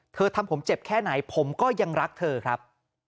ทำผมเจ็บแค่ไหนผมก็ยังรักเธอครับ